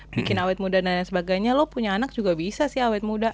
bikin awet muda dan lain sebagainya lo punya anak juga bisa sih awet muda